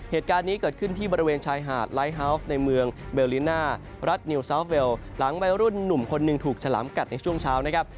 เหตุการณ์นี้เกิดขึ้นที่บริเวณชายหาดไลฟ์ฮาวส์ในเมืองเบลลิน่ารัฐนิวซาฟเวลหลังวัยรุ่นหนุ่มคนหนึ่งถูกฉลามกัดในช่วงเช้านะครับ